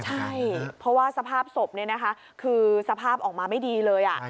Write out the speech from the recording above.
ใช่เพราะว่าสภาพศพคือสภาพออกมาไม่ดีเลย